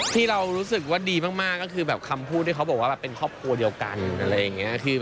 ที่เรารู้สึกว่าดีมากก็คือคำพูดที่เขาบอกว่าเป็นครอบครัวเดียวกัน